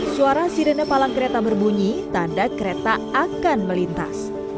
suara sirene palang kereta berbunyi tanda kereta akan melintas